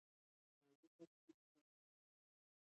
انرژي پاکه پاتې کېږي.